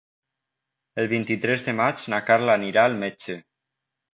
El vint-i-tres de maig na Carla anirà al metge.